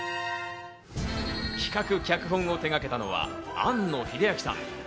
企画・脚本を手がけたのは庵野秀明さん。